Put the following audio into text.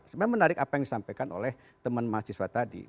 sebenarnya menarik apa yang disampaikan oleh teman mahasiswa tadi